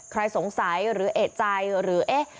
สงสัยหรือเอกใจหรือเอ๊ะ